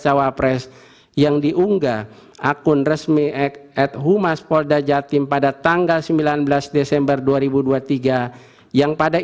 cawapres yang diunggah akun resmi et humas polda jatim pada tanggal sembilan belas desember dua ribu dua puluh tiga yang pada